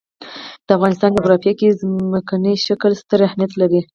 د افغانستان جغرافیه کې ځمکنی شکل ستر اهمیت لري.